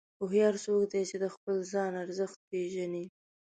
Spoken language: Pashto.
هوښیار څوک دی چې د خپل ځان ارزښت پېژني.